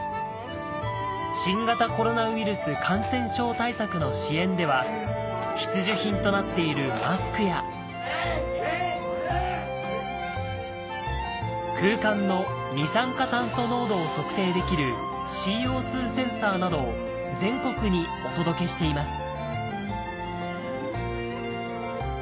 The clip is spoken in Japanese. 新型コロナウイルス感染症対策の支援では必需品となっているマスクや空間の二酸化炭素濃度を測定できるＣＯセンサーなどを全国にお届けしています